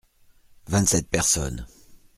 Vingt-sept personnes.